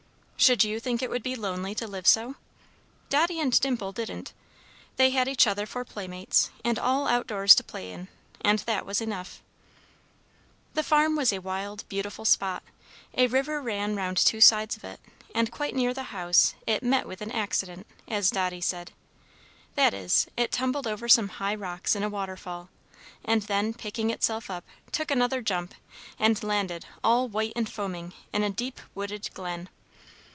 Should you think it would be lonely to live so? Dotty and Dimple didn't. They had each other for playmates, and all outdoors to play in, and that was enough. The farm was a wild, beautiful spot. A river ran round two sides of it; and quite near the house it "met with an accident," as Dotty said; that is, it tumbled over some high rocks in a waterfall, and then, picking itself up, took another jump, and landed, all white and foaming, in a deep wooded glen.